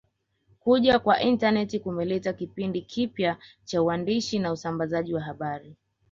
Kuja kwa intaneti kumeleta kipindi kipya cha uandishi na usambazaji wa habari